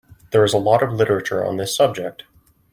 There is a lot of Literature on this subject.